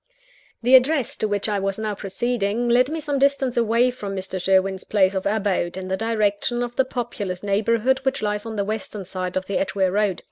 The address to which I was now proceeding, led me some distance away from Mr. Sherwin's place of abode, in the direction of the populous neighbourhood which lies on the western side of the Edgeware Road.